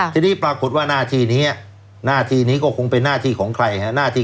ทีนี้ปรากฏว่าหน้าที่นี้ก็คงเป็นหน้าที่ของใคร